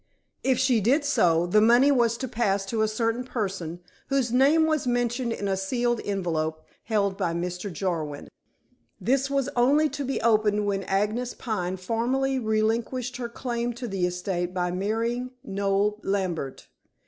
If she did so, the money was to pass to a certain person, whose name was mentioned in a sealed envelope held by Mr. Jarwin. This was only to be opened when Agnes Pine formally relinquished her claim to the estate by marrying Noel Lambert.